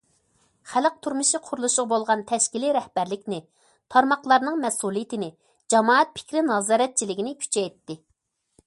خەلق تۇرمۇشى قۇرۇلۇشىغا بولغان تەشكىلىي رەھبەرلىكنى، تارماقلارنىڭ مەسئۇلىيىتىنى، جامائەت پىكرى نازارەتچىلىكىنى كۈچەيتتى.